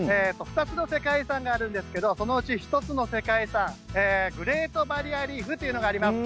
２つの世界遺産があるんですけどそのうち１つの世界遺産グレートバリアリーフというのがあります。